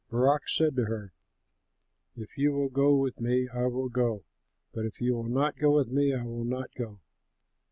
'" Barak said to her, "If you will go with me, I will go, but if you will not go with me, I will not go."